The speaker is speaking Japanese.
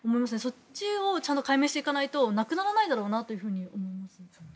そっちをちゃんと解明しないとなくならないだろうなと思います。